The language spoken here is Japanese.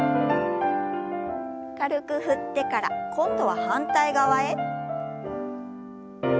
軽く振ってから今度は反対側へ。